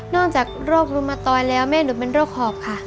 อกจากโรครุมตอยแล้วแม่หนูเป็นโรคหอบค่ะ